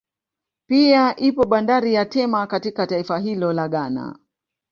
Pia ipo bandari ya Tema katika taifa hilo la Ghana